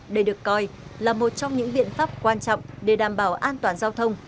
đây được coi là một trong những biện pháp quan trọng để đảm bảo an toàn giao thông